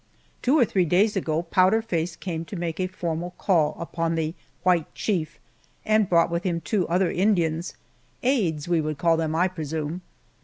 Two or three days ago Powder Face came to make a formal call upon the "White Chief," and brought with him two other Indians aides we would call them, I presume.